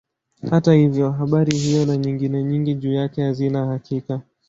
Hata hivyo habari hiyo na nyingine nyingi juu yake hazina hakika.